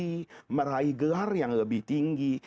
untuk mencapai kelas yang lebih tinggi